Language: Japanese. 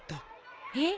えっ？